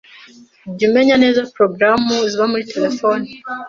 Jya umenya neza porogaramu ziba muri terefone